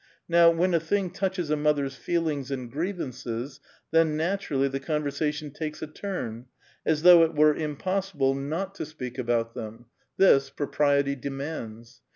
Now, when a thing touches a mother's feel ings and grievances, then, naturally, the conversation takes a turn, as though it were impossible not to speak about 146 A VITAL QUESTION. them: this, propriety demands.